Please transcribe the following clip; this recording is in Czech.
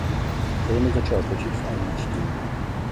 Filmy začal točit v angličtině.